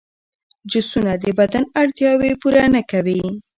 جوسونه د بدن اړتیاوې پوره نه کوي.